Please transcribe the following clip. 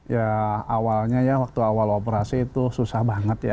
ya awalnya ya waktu awal operasi itu susah banget ya